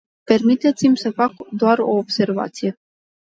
Permiteți-mi să fac doar o observație.